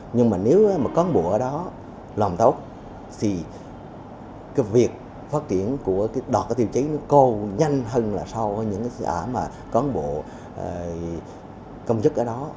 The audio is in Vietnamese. nhưng mà nếu một con bộ ở đó làm tốt thì việc phát triển của đoạt tiêu chế nữ cô nhanh hơn là sau những con bộ công chức ở đó